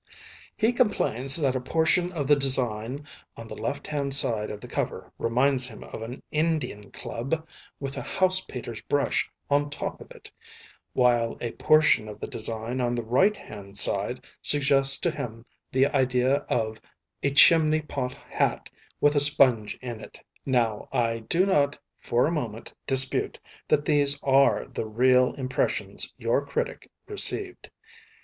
He complains that a portion of the design on the left hand side of the cover reminds him of an Indian club with a house painter's brush on top of it, while a portion of the design on the right hand side suggests to him the idea of 'a chimney pot hat with a sponge in it.' Now, I do not for a moment dispute that these are the real impressions your critic received.